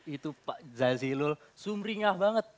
itu pak jazilul sumringah banget